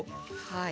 はい。